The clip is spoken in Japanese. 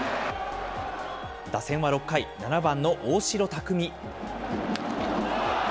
打線は６回、７番の大城卓三。